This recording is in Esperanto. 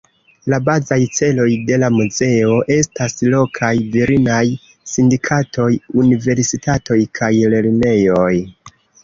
La bazaj celoj de la muzeo estas lokaj virinaj sindikatoj, universitatoj kaj lernejoj.